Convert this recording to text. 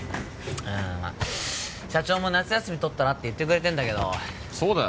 うん社長も夏休みとったらって言ってくれてんだけどそうだよ